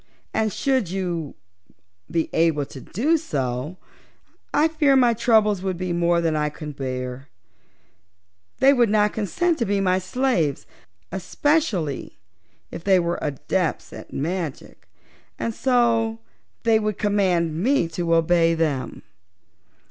And, should you be able to do so, I fear my troubles would be more than I could bear. They would not consent to be my slaves especially if they were Adepts at Magic and so they would command me to obey them.